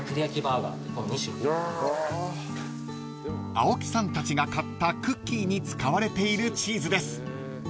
［青木さんたちが買ったクッキーに使われているチーズです］